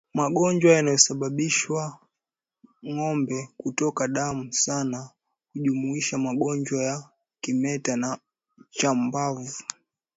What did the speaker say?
Magonjwa yanayosababisha ngombe kutokwa damu sana hujumuisha magonjwa ya kimeta na chambavu